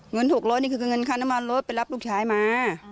๖๐๐นี่คือเงินค่าน้ำมันรถไปรับลูกชายมา